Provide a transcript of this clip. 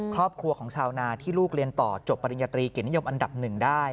ครอบครัวของชาวนาที่ลูกเรียนต่อจบปริญญาตรีเกียรตินิยมอันดับหนึ่งได้